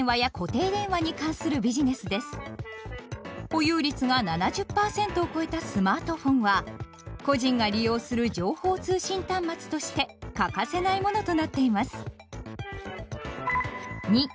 保有率が７０％を超えたスマートフォンは個人が利用する情報通信端末として欠かせないものとなっています。